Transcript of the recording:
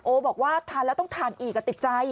บอกว่าทานแล้วต้องทานอีกติดใจ